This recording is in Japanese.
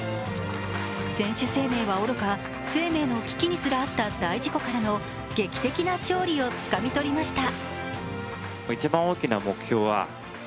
選手生命はおろか生命の危機にすらあった大事故からの劇的な勝利をつかみ取りました。